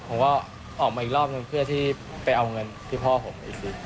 ผมก็ออกมาอีกรอบหนึ่งเพื่อที่ไปเอาเงินที่พ่อผมอีกที